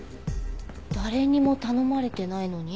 誰にも頼まれてないのに？